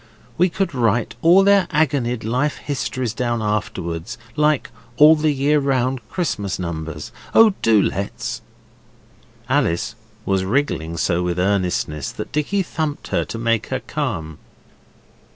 We could write all their agonied life histories down afterwards like All the Year Round Christmas numbers. Oh, do let's!' Alice was wriggling so with earnestness that Dicky thumped her to make her calm.